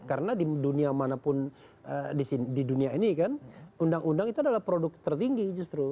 karena di dunia manapun di dunia ini kan undang undang itu adalah produk tertinggi justru